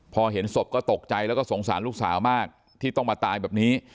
พอเห็นศพก็ตกใจแล้วก็สงสารลูกสาวมากที่ต้องมาตายแบบนี้